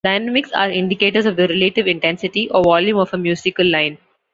Dynamics are indicators of the relative intensity or volume of a musical line.